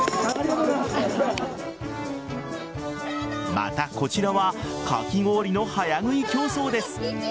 また、こちらはかき氷の早食い競争です。